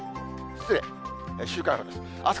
失礼、週間予報です。